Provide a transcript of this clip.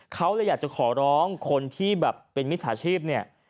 เขาเลยอยากจะขอร้องคนที่แบบเป็นมิจฉาชีพเนี่ย